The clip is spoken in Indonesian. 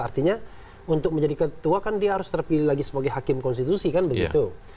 artinya untuk menjadi ketua kan dia harus terpilih lagi sebagai hakim konstitusi kan begitu